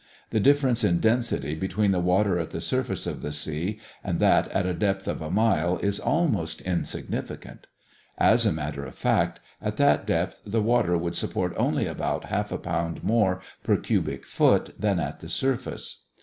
The difference in density between the water at the surface of the sea and that at a depth of a mile is almost insignificant. As a matter of fact, at that depth the water would support only about half a pound more per cubic foot than at the surface.